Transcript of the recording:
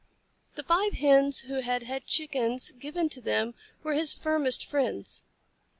The five Hens who had had Chickens given to them were his firmest friends.